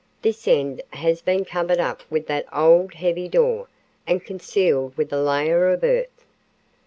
This end has been covered up with that old heavy door and concealed with a layer of earth.